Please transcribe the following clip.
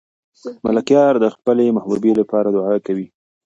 ملکیار د خپلې محبوبې لپاره دعا کوي.